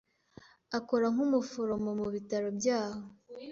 Akora nk'umuforomo mu bitaro byaho.